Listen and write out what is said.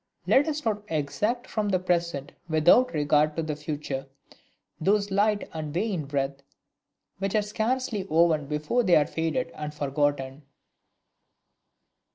Let us not exact from the present with out regard to the future, those light and vain wreath which are scarcely woven before they are faded and forgotten!...